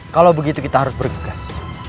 kalau begitu kita harus bergegas